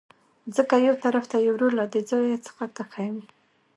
ځکه يوطرف ته يې ورور له دې ځاى څخه تښى وو.